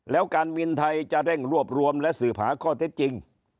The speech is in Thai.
แล้วการบินไทยจะเร่งรวบรวมและสืบหาข้อเท็จจริง